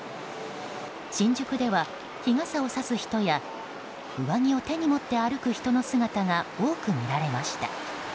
新宿では日傘をさす人や上着を手に持って歩く人の姿が多く見られました。